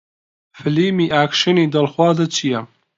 فیلمی ئاکشنی دڵخوازت چییە؟